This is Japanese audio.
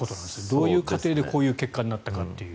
どういう過程でこういう結果になったかという。